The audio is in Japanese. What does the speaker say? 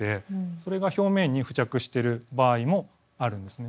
それが表面に付着してる場合もあるんですね。